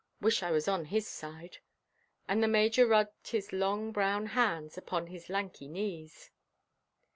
Wish I was on his side." And the Major rubbed his long brown hands upon his lanky knees.